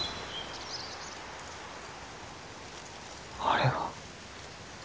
あれは。